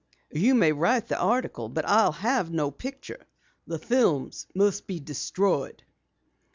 "You may write the article, but I'll have no picture. The films must be destroyed."